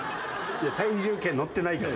体重計乗ってないから。